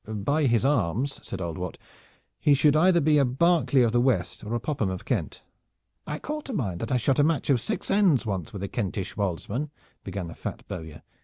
"By his arms," said old Wat, "he should either be a Berkeley of the West or a Popham of Kent." "I call to mind that I shot a match of six ends once with a Kentish woldsman " began the fat Bowyer.